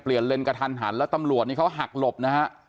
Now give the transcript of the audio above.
เลนกระทันหันแล้วตำรวจนี่เขาหักหลบนะฮะ